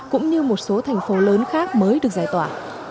cũng như một số thành phố lớn khác mới được giải tỏa